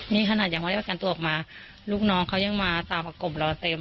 นี่ขนาดยังไม่ได้ประกันตัวออกมาลูกน้องเขายังมาตามประกบเราเต็ม